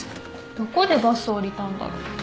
どこでバスを降りたんだろう。